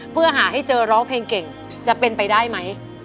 เพื่อหาให้เจอร้องเพลงเก่งจะเป็นไปได้ไหม